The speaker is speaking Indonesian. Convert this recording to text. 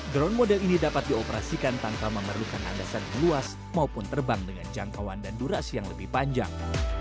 drone model ini dapat dioperasikan tanpa memerlukan andasan luas maupun terbang dengan jangkauan dan durasi yang lebih panjang